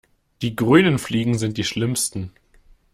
Die grünen Fliegen sind die schlimmsten.